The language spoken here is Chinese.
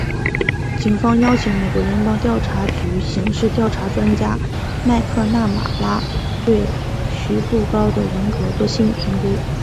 警方邀请美国联邦调查局刑事调查专家麦克纳马拉对徐步高的人格作心理评估。